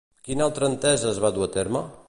Quina altra entesa es va dur a terme?